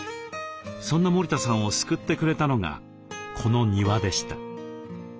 そんな森田さんを救ってくれたのがこの庭でした。